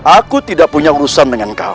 aku tidak punya urusan dengan kamu